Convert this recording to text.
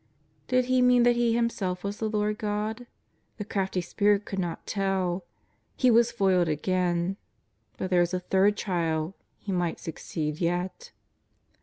Did He mean that He Himself was the Lord God ? The crafty spirit could not tell ; he was foiled again. But there was a third trial, he might succeed yet.